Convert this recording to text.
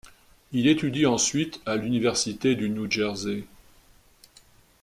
Il étudie ensuite à l'université du New Jersey.